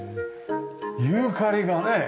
ユーカリがね。